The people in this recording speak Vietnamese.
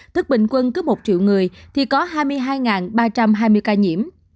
tức bình quân cứ một triệu người thì có hai mươi hai ba trăm hai mươi ca nhiễm